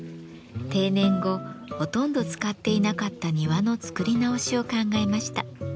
定年後ほとんど使っていなかった庭の作り直しを考えました。